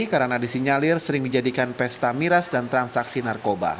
karena disinyalir sering dijadikan pesta miras dan transaksi narkoba